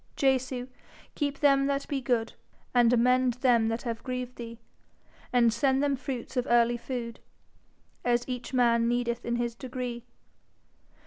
Jesu, keep them that be good, And amend them that have grieved thee, And send them fruits of early food, As each man needeth in his degree.